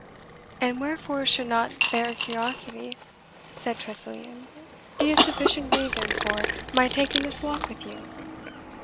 "And wherefore should not bare curiosity," said Tressilian, "be a sufficient reason for my taking this walk with you?"